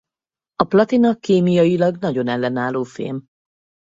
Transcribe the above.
A platina kémiailag nagyon ellenálló fém.